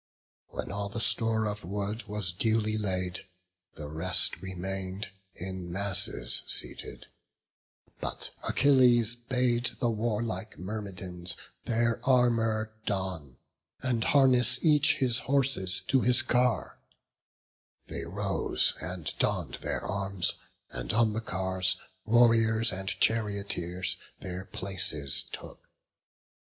When all the store Of wood was duly laid, the rest remain'd In masses seated; but Achilles bade The warlike Myrmidons their armour don, And harness each his horses to his car; They rose and donn'd their arms, and on the cars Warriors and charioteers their places took.